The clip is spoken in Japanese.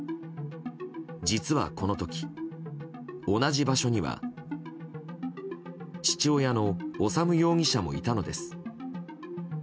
実はこの時、同じ場所には父親の修容疑者もいたのです。